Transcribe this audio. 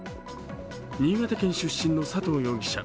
新潟県出身の佐藤容疑者。